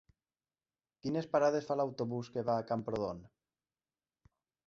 Quines parades fa l'autobús que va a Camprodon?